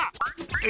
え？